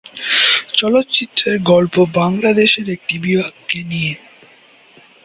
চলচ্চিত্রের গল্প বাংলাদেশের একটি বিভাগকে নিয়ে।